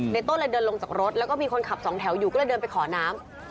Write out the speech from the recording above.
ต้นเลยเดินลงจากรถแล้วก็มีคนขับสองแถวอยู่ก็เลยเดินไปขอน้ำ